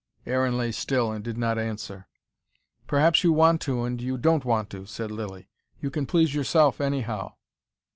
Aaron lay still, and did not answer. "Perhaps you want to, and you don't want to," said Lilly. "You can please yourself, anyhow."